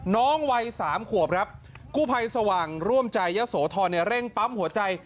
น้องวัยสามขวบครับกู้ภัยสว่างร่วมใจยะโสธรเร่งปั๊มหัวใจ